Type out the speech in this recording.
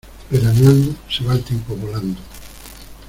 Veraneando, se va el tiempo volando.